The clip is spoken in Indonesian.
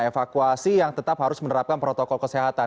evakuasi yang tetap harus menerapkan protokol kesehatan